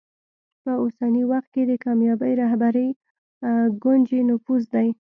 په اوسني وخت کې د کامیابې رهبرۍ کونجي نفوذ دی.